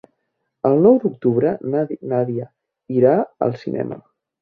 El nou d'octubre na Nàdia irà al cinema.